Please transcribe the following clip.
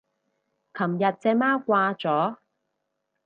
琴日隻貓掛咗